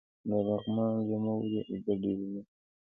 د لغمان لیمو ولې اوبه ډیرې لري؟